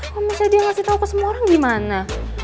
kok mustahil dia ngasih tau ke semua orang gimana